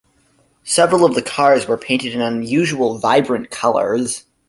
Several of the cars were painted in unusual, vibrant colors.